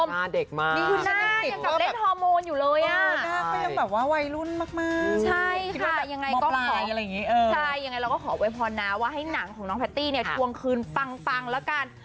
หวานหวานหวานหวานหวานหวานหวานหวานหวานหวาน